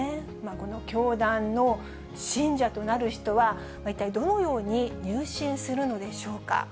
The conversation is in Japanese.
この教団の信者となる人は、一体どのように入信するのでしょうか。